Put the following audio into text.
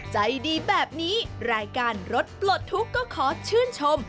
ใจดีแบบนี้รายการรถปลดทุกข์ก็ขอชื่นชม